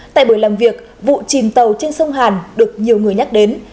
tại buổi làm việc vụ chìm tàu trên sông hàn được nhiều người nhắc đến